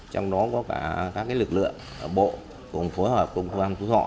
trong đó có cả các lực lượng ở bộ cùng phối hợp cùng công an phú thọ